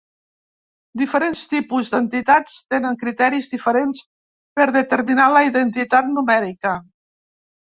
Diferents tipus d'entitats tenen criteris diferents per determinar la identitat numèrica.